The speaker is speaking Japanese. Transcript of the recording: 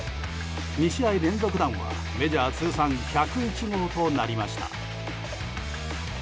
２試合連続弾はメジャー通算１０１号となりました。